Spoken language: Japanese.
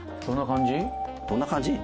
「どんな感じ」？